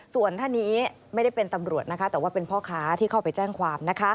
ส่วนท่านนี้ไม่ได้เป็นตำรวจนะคะแต่ว่าเป็นพ่อค้าที่เข้าไปแจ้งความ